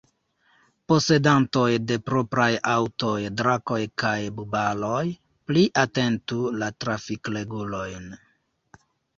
Posedantoj de propraj aŭtoj – Drakoj kaj Bubaloj – pli atentu la trafikregulojn.